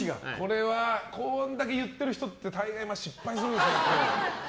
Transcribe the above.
これだけ言ってる人って大概失敗するんですよね。